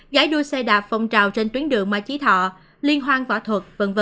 giải đua xe đạp phong trào trên tuyến đường mai chí thọ liên hoan võ thuật v v